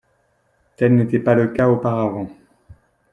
Tel n’était pas le cas auparavant.